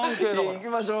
いきましょう。